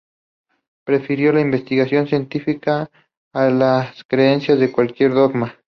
Prefirió la investigación científica a las creencias de cualquier dogma.